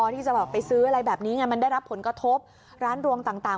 ที่จะแบบไปซื้ออะไรแบบนี้ไงมันได้รับผลกระทบร้านรวมต่าง